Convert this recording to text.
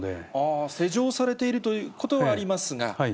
施錠されているということはありますが。